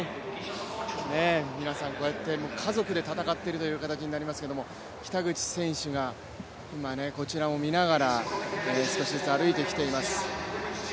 皆さんこうやって家族で戦っているという形になりますけど北口選手が今、こちらを見ながら少しずつ歩いてきています。